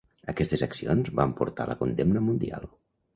Aquestes accions van portar la condemna mundial.